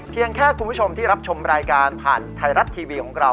แค่คุณผู้ชมที่รับชมรายการผ่านไทยรัฐทีวีของเรา